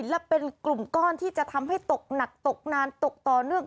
และเป็นกลุ่มก้อนที่จะทำให้ตกหนักตกนานตกต่อเนื่อง